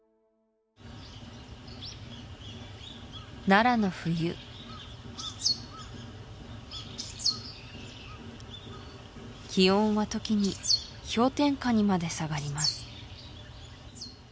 奈良の冬気温は時に氷点下にまで下がります